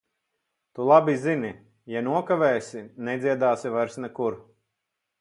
Tu labi zini - ja nokavēsi, nedziedāsi vairs nekur.